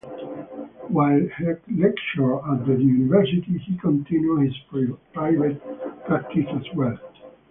While he lectured at the university, he continued his private practice as well.